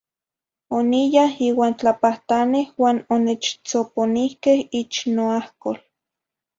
Oniyah iuan tlapahtane uan onechtzoponihque ichin noahcol.